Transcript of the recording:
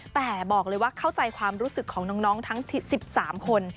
แต่บอกเลยว่าเข้าใจความรู้สึกของน้องทั้ง๑๓คน